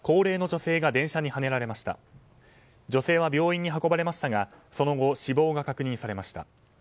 女性は病院に運ばれましたがその後、死亡が確認されました。